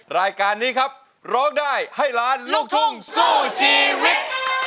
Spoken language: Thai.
รายการนี้ครับร้องได้ให้ล้านลูกทุ่งสู้ชีวิต